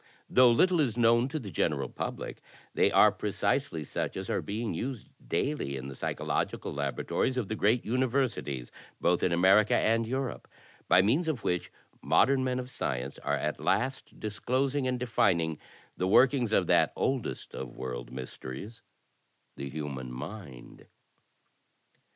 "Though little known to the general public, they are pre cisely such as are being used daily in the psychological labora tories of the great imiversities — both in America and Europe — by means of which modem men of science are at last dis closing and defining the workings of that oldest of world mysteries— the human mind.